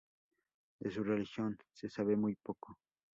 De su religión, se sabe muy poco.